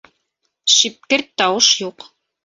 Шипкерт тауыш юҡ.